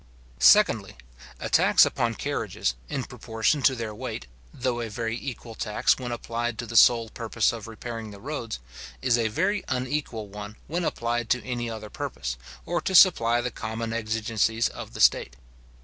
Secondly, A tax upon carriages, in proportion to their weight, though a very equal tax when applied to the sole purpose of repairing the roads, is a very unequal one when applied to any other purpose, or to supply the common exigencies of the state.